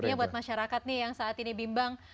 artinya buat masyarakat nih yang saat ini bimbang